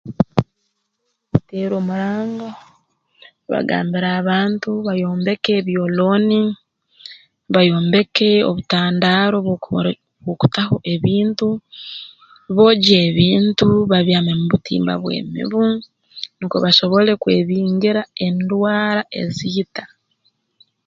Bateere omuranga bagambire abantu bayombeke ebyolooni bayombeke obutandaaro bw'okukor bw'okutaho ebintu bogy'ebintu babyame mu butimba bw'emibu nukwo basobole kwebingira endwara eziita